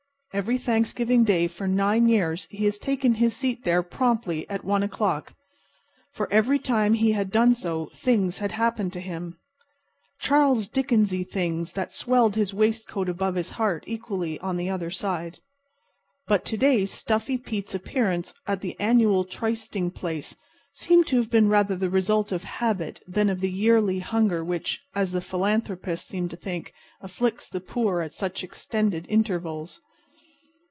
Every Thanksgiving Day for nine years he had taken his seat there promptly at 1 o'clock. For every time he had done so things had happened to him—Charles Dickensy things that swelled his waistcoat above his heart, and equally on the other side. But to day Stuffy Pete's appearance at the annual trysting place seemed to have been rather the result of habit than of the yearly hunger which, as the philanthropists seem to think, afflicts the poor at such extended intervals.